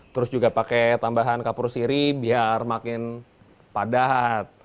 terus juga pakai tambahan kapur siri biar makin padat